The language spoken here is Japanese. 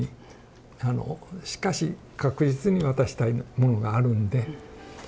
しかし確実に渡したいものがあるんで。